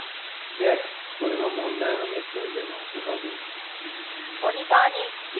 でこれが問題のネットに出回った画像。